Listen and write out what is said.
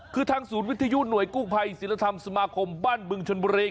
คือทางศูนย์วิทยุหน่วยกู้ภัยศิลธรรมสมาคมบ้านบึงชนบุรี